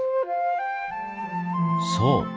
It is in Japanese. そう！